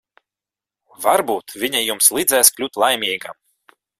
Varbūt viņa jums līdzēs kļūt laimīgam.